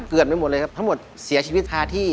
เกิดไปหมดเลยครับทั้งหมดเสียชีวิตท่าที่